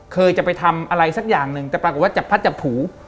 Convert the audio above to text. เคยจะไปทำอะไรสักอย่างหนึ่งแต่ปรากฏว่าจับพัดจับผู